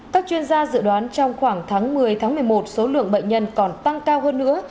các chuyên gia dự đoán trong khoảng tháng một mươi tháng một mươi một số lượng bệnh nhân còn tăng cao hơn nữa